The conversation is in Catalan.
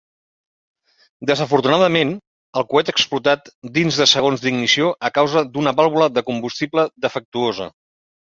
Desafortunadament, el coet explotat dins de segons d'ignició a causa d'una vàlvula de combustible defectuosa.